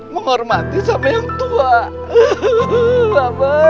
menghormati sama yang tua